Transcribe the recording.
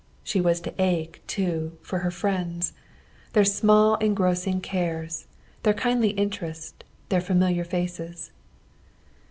She was to ache, too, for her friends their small engrossing cares, their kindly interest, their familiar faces.